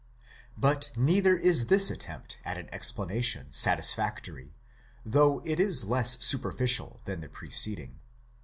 But neither is this attempt at an explanation satisfactory, though it is less superficial than the preceding.